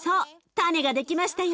タネが出来ましたよ。